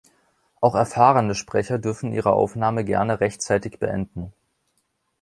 Auch erfahrene Sprecher dürfen ihre Aufnahme gerne rechtzeitig beenden.